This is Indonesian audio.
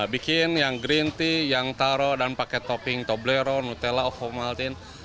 bikin yang green tea yang taro dan pakai topping toblero nutella omaltin